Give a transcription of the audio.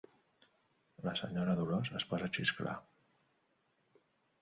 La senyora Dolors es posa a xisclar.